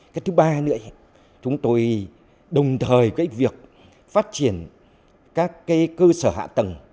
cái thứ ba nữa chúng tôi đồng thời cái việc phát triển các cơ sở hạ tầng